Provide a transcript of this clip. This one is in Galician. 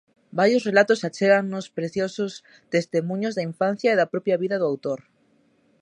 Varios relatos achégannos preciosos testemuños da infancia e da propia vida do autor.